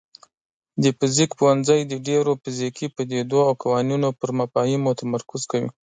د فزیک پوهنځی د ډیرو فزیکي پدیدو او قوانینو پر مفاهیمو تمرکز کوي.